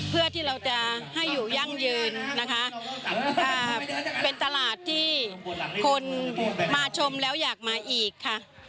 เพื่อที่เราจะให้อยู่ยั่งยืนนะคะเป็นตลาดที่คนมาชมแล้วอยากมาอีกค่ะ